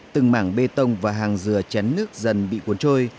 từng mảng bê tông và hàng dừa chắn nước dần bị cuốn trôi